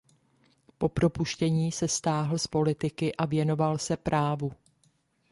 Po propuštění se stáhl z politiky a věnoval se právu.